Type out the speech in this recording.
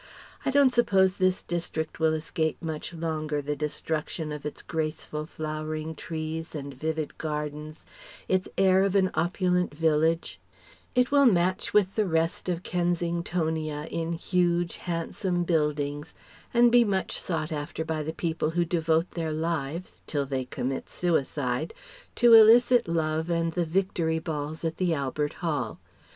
I don't suppose this district will escape much longer the destruction of its graceful flowering trees and vivid gardens, its air of an opulent village; it will match with the rest of Kensingtonia in huge, handsome buildings and be much sought after by the people who devote their lives till they commit suicide to illicit love and the Victory Balls at the Albert Hall.